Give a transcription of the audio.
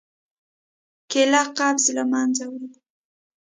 کېله قبض له منځه وړي.